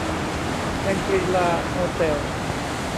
แชงกรี-ลา โฮเต็ล